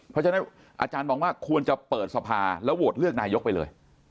เพราะฉะนั้นอาจารย์มองว่าควรจะเปิดสภาแล้วโหวตเลือกนายกไปเลย